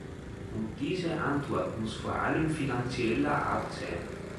Und diese Antwort muss vor allem finanzieller Art sein.